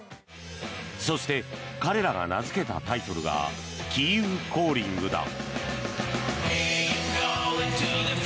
そして彼らが名付けたタイトルが「キーウ・コーリング」だ。